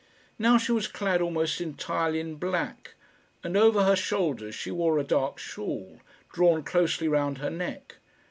Now she was clad almost entirely in black, and over her shoulders she wore a dark shawl, drawn closely round her neck.